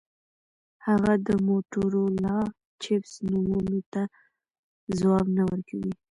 هغه د موټورولا چپس نومونو ته ځواب نه ورکوي